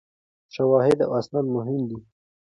شواهد او اسناد مهم دي.